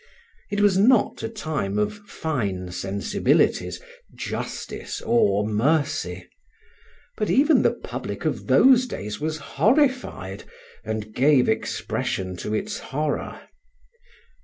It was not a time of fine sensibilities, justice, or mercy; but even the public of those days was horrified, and gave expression to its horror.